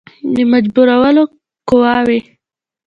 د مجبورولو قواوي.